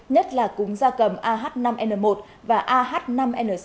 nhất là cúng da cầm ah năm n một và ah năm n sáu